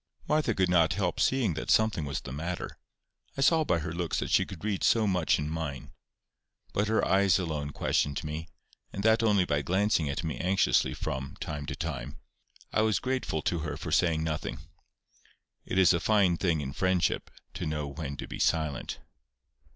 Martha could not help seeing that something was the matter. I saw by her looks that she could read so much in mine. But her eyes alone questioned me, and that only by glancing at me anxiously from, time to time. I was grateful to her for saying nothing. It is a fine thing in friendship to know when to be silent.